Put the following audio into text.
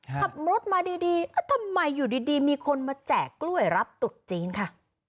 ขับรถมาดีทำไมอยู่ดีมีคนมาแจกกล้วยรับตุดจีนค่ะ